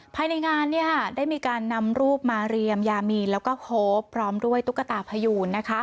ภายในงานได้มีการนำรูปมาเรียมยามีนแล้วก็โฮปพร้อมด้วยตุ๊กตาพยูน